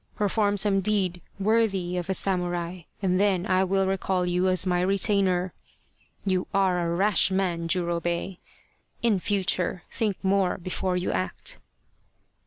Perform some deed worthy of a samurai and then I will recall you as my retainer. You are a rash man, Jurobei ! In future think more before you act."